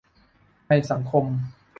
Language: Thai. ในสังคม